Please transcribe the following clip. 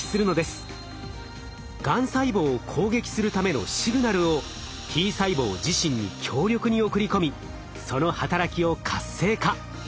がん細胞を攻撃するためのシグナルをＴ細胞自身に強力に送り込みその働きを活性化。